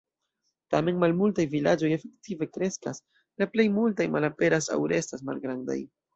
Tamen malmultaj vilaĝoj efektive kreskas, la plej multaj malaperas aŭ restas malgrandaj.